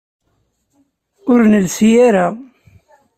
Ur nelsi ara.